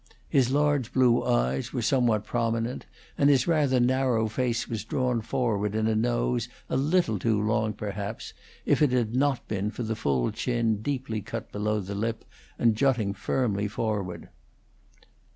His large blue eyes were somewhat prominent; and his rather narrow face was drawn forward in a nose a little too long perhaps, if it had not been for the full chin deeply cut below the lip, and jutting firmly forward.